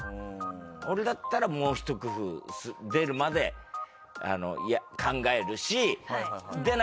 俺だったらもうひと工夫出るまで考えるし。